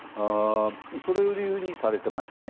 それを理由にされていましたね。